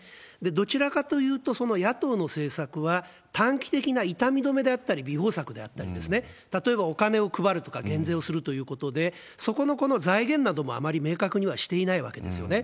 どちらかというと、その野党の政策は短期的な痛み止めであったり、びほう策であったり、例えばお金を配るとか減税をするということで、そこのこの財源などもあまり明確にはしていないわけですよね。